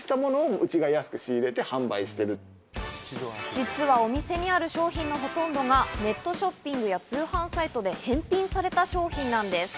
実はお店にある商品のほとんどがネットショッピングや通販サイトで返品された商品なんです。